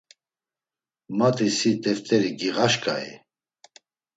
Mati si t̆eft̆eri giğaşǩai?